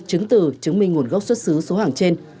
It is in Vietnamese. chứng từ chứng minh nguồn gốc xuất xứ số hàng trên